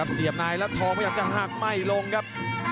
เสียบนายแล้วทองก็อยากจะหักไหม้ลงครับ